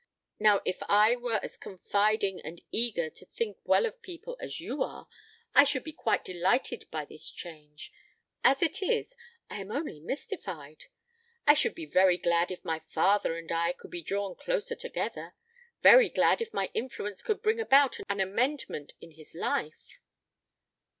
Now, if I were as confiding and eager to think well of people as you are, I should be quite delighted by this change. As it is, I am only mystified. I should be very glad if my father and I could be drawn closer together; very glad if my influence could bring about an amendment in his life."